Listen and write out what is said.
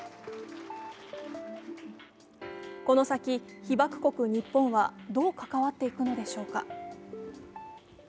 この先、被爆国・日本はどう関わっていくのでしょうか。